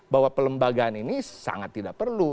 bahwa pelembagaan ini sangat tidak perlu